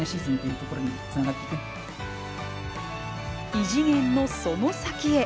「異次元のその先へ」